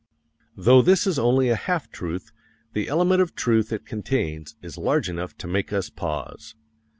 Though this is only a half truth, the element of truth it contains is large enough to make us pause.